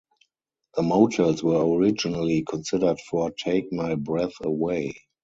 The Motels were originally considered for Take My Breath Away.